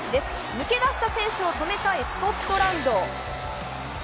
抜け出した選手を止めたいスコットランド。